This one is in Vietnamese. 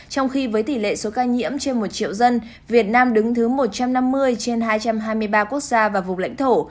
trong khi với tỷ lệ số ca nhiễm trên một triệu dân việt nam đứng thứ một trăm năm mươi trên hai trăm hai mươi ba quốc gia và vùng lãnh thổ